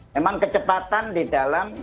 memang kecepatan di dalam